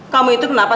ya kita pulang ya